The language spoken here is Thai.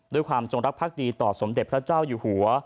จงรักภักดีต่อสมเด็จพระเจ้าอยู่หัว